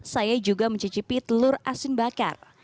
saya juga mencicipi telur asin bakar